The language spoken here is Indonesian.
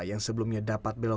yang sebelumnya dapat berlaku